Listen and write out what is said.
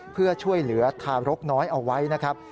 เพื่อช่วยเหลือทารกน้อยเอาไว้นะครับ